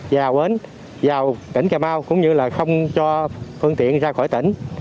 và bến vào tỉnh cà mau cũng như là không cho phương tiện ra khỏi tỉnh